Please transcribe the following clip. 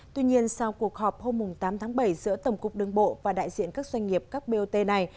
tuy nhiên sau cuộc họp hôm tám tháng bảy giữa tổng cục đường bộ và đại diện các doanh nghiệp các bot này